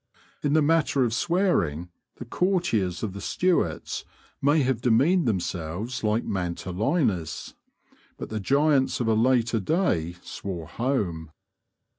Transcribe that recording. In the matter of swearing the courtiers of the Stuarts may have demeaned themselves like Mantalinis, but the giants of a later day swore home.